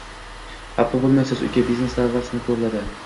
Xafa boʻlmaysiz, uka, biznesda avval sinab koʻriladi